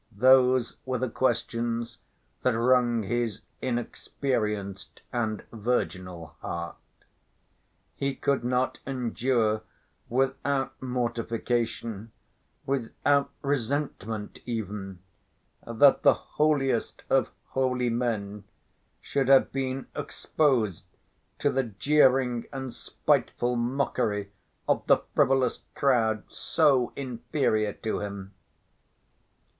Those were the questions that wrung his inexperienced and virginal heart. He could not endure without mortification, without resentment even, that the holiest of holy men should have been exposed to the jeering and spiteful mockery of the frivolous crowd so inferior to him.